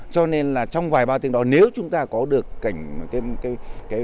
cho nên là trong vài ba tiếng đó nếu chúng ta có thể xảy ra trong thời gian rất ngắn chỉ vài ba tiếng có thể xảy ra